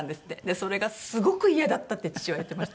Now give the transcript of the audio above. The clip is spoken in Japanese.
それがすごく嫌だったって父は言ってました。